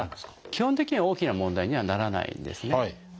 基本的には大きな問題にはならないんですね。